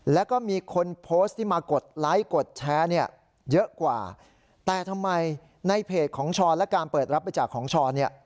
แล้วก็มีคนโพสต์ที่มากดไลค์กดแชร์เนี่ยเยอะกว่าแต่ทำไมในเพจของช้อนและการเปิดรับบริจาคของช้อนเนี่ย